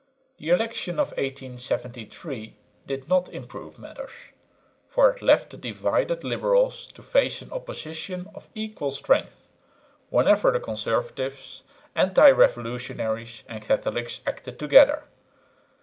The election of 1873 did not improve matters, for it left the divided liberals to face an opposition of equal strength, whenever the conservatives, anti revolutionaries and Catholics acted together.